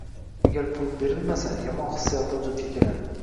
• Agar pul berilmasa – yomon hissiyotlar vujudga keladi